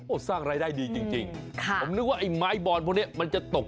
สร้างรายได้ดีจริงจริงค่ะผมนึกว่าไอ้ไม้บอลพวกนี้มันจะตก